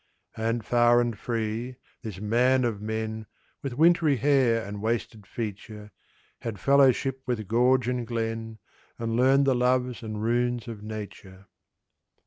And, far and free, this man of men, With wintry hair and wasted feature, Had fellowship with gorge and glen, And learned the loves and runes of Nature.